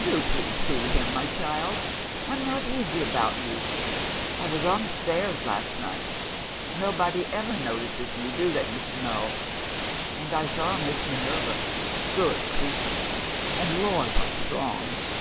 'Do please see him, my child; I'm not easy about you. I was on the stairs last night nobody ever notices me, do they, Mr. Null? and I saw Miss Minerva good creature, and, Lord, how strong!